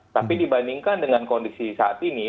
tapi dibandingkan dengan kondisi saat ini